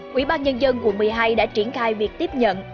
quỹ ban nhân dân quận một mươi hai đã triển khai việc tiếp nhận